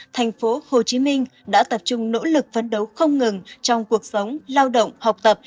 thành phố hồ chí minh đã tập trung nỗ lực phấn đấu không ngừng trong cuộc sống lao động học tập